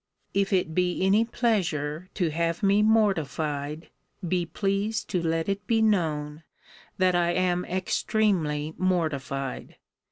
If it be any pleasure to have me mortified, be pleased to let it be known, that I am extremely mortified.